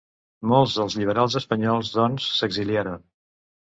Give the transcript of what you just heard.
Molts dels liberals espanyols, doncs, s'exiliaren.